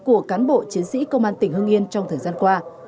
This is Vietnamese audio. của cán bộ chiến sĩ công an tỉnh hưng yên trong thời gian qua